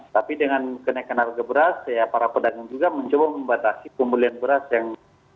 tapi dengan kenaikan harga beras ya para pedagang juga mencoba membatasi pembelian beras yang